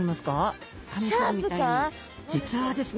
実はですね